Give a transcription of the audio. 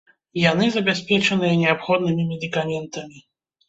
Яны забяспечаныя неабходнымі медыкаментамі.